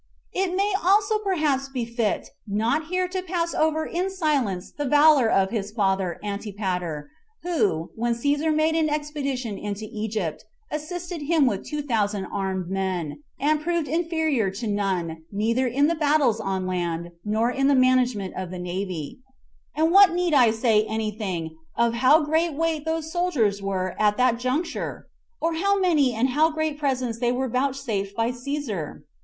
It may also perhaps be fit not here to pass over in silence the valor of his father Antipater, who, when Cæsar made an expedition into Egypt, assisted him with two thousand armed men, and proved inferior to none, neither in the battles on land, nor in the management of the navy; and what need I say any thing of how great weight those soldiers were at that juncture? or how many and how great presents they were vouchsafed by Cæsar?